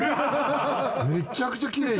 めっちゃくちゃきれい。